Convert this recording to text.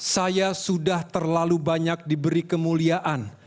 saya sudah terlalu banyak diberi kemuliaan